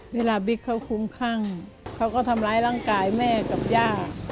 บิ๊กเขาคุ้มคั่งเขาก็ทำร้ายร่างกายแม่กับย่า